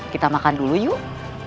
kita makan dulu yuk